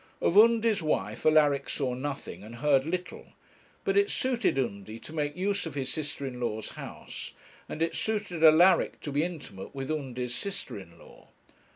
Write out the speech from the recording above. Of Undy's wife Alaric saw nothing and heard little, but it suited Undy to make use of his sister in law's house, and it suited Alaric to be intimate with Undy's sister in law.